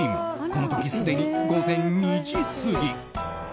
この時すでに午前２時過ぎ。